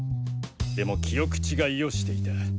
でも記憶違いをしていた。